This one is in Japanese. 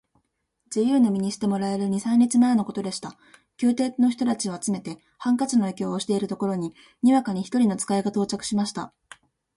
自由の身にしてもらえる二三日前のことでした。宮廷の人たちを集めて、ハンカチの余興をしているところへ、にわかに一人の使が到着しました。